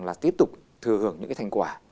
là tiếp tục thừa hưởng những cái thành quả